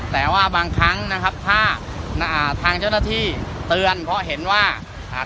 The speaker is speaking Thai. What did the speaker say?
แต่ว่าบางครั้งนะครับถ้าอ่าทางเจ้าหน้าที่เตือนเพราะเห็นว่าอ่า